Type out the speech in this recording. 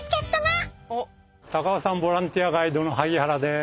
高尾山ボランティアガイドの萩原です。